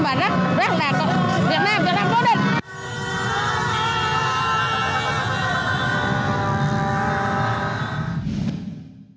và rất là việt nam việt nam cố định